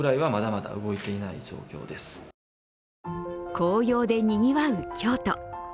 紅葉でにぎわう京都。